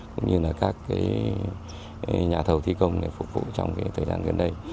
cũng như là các nhà thầu thi công để phục vụ trong thời gian gần đây